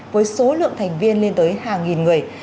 với số lượng thành viên lên tới hàng nghìn người